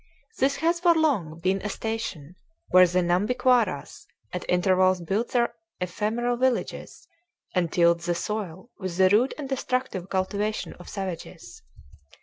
This has for long been a station where the Nhambiquaras at intervals built their ephemeral villages and tilled the soil with the rude and destructive cultivation of savages.